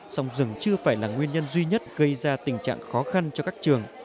sông rừng chưa phải là nguyên nhân duy nhất gây ra tình trạng khó khăn cho các trường